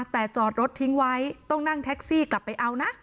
แต่จอดรถทิ้งไว้ต้องนั่งแท็กซี่กลับไปเอานะ